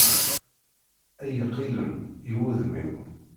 Ad yi-qilen, i wudem-im.